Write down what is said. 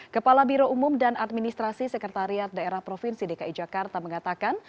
kepala biro umum dan administrasi sekretariat daerah provinsi dki jakarta mengatakan